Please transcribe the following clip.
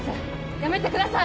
やめてください！